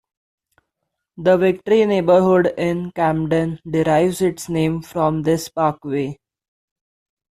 The Victory neighborhood in Camden derives its name from this parkway.